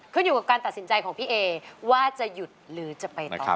ขึ้นอยู่กับการตัดสินใจของพี่เอว่าจะหยุดหรือจะไปต่อ